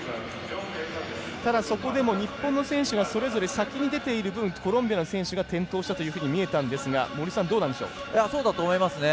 ただ、そこで日本の選手がそれぞれ先に出ている分コロンビアの選手が転倒したように見えましたがそうだと思います。